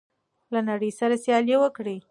له نړۍ سره سیالي وکړئ.